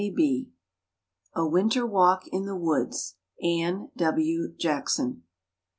A WINTER WALK IN THE WOODS. ANNE W. JACKSON.